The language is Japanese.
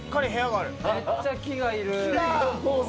めっちゃ木がいる。